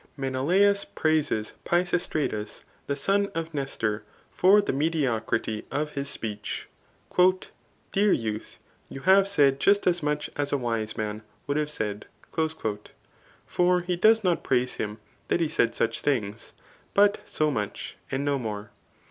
Menelaus praises Pisistratus, the son of Nestor, for the mediocrity of his speech.] " Dear youth, you have said just as much as a wise man would have said. For he does not praise him that he said suck things, but $0 trnich and no more.